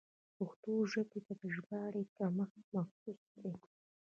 پښتو ژبې ته د ژباړې کمښت محسوس دی.